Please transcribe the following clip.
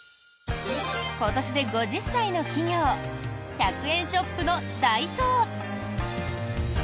今年で５０歳の企業１００円ショップのダイソー。